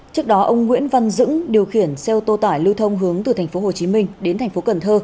trước đó ông nguyễn văn dững điều khiển xe ô tô tải lưu thông hướng từ tp hcm đến tp cn